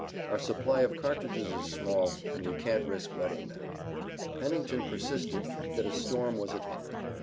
Our supply of cartridges is small, and we can't risk wetting them." Pennington persisted that a storm was at hand.